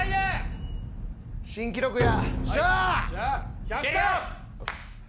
新記録や。